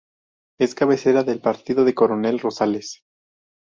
Es cabecera del partido de Coronel Rosales.